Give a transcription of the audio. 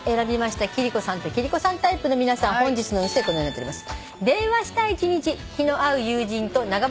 貴理子さんと貴理子さんタイプの皆さんは本日の運勢このようになっております。